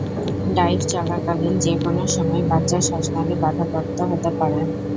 Dive চলাকালীন যে কোনো সময় বাচ্চার শ্বাসনালী বাধাপ্রাপ্ত হতে পারে।